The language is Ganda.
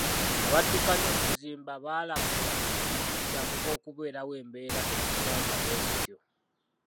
Abaddukanya okuzimba baalabulwa ku kuddamu kw'okubeerawo embeera eziswaza bwe zityo.